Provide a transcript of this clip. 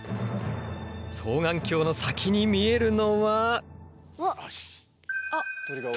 双眼鏡の先に見えるのは。